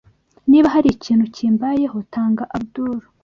Niba hari ikintu kimbayeho, tanga Abdul.